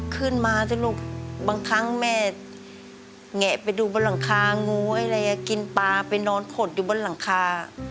ขึ้นมาสิลูกบางครั้งแม่แงะไปดูบนหลังคางูอะไรกินปลาไปนอนขดอยู่บนหลังคา